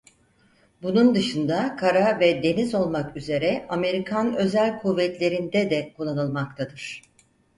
Bunun dışında kara ve deniz olmak üzere Amerikan Özel Kuvvetleri'nde de kullanılmaktadır.